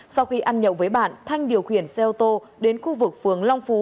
sau khi ăn nhậu với bạn thanh điều khiển xe ô tô đến khu vực phường long phú